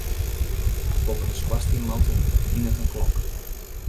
Boppe de skoarstienmantel hinget in klok.